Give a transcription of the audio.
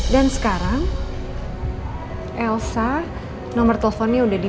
dan sekarang elsa nomor teleponnya udah dikirim